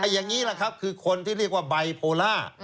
อย่างนี้แหละครับคือคนที่เรียกว่าไบโพล่า